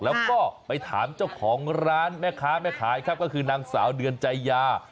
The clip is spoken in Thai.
แล้วก็ไปถามเจ้าของร้านแม่ค้าแม่ขายครับก็คือนางสาวเดือนใจยา